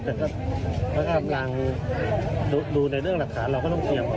แต่ก็กำลังดูในเรื่องหลักฐานเราก็ต้องเตรียม